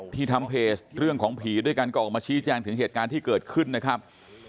ทำเพจเรื่องของผีด้วยกันก็ออกมาชี้แจงถึงเหตุการณ์ที่เกิดขึ้นนะครับ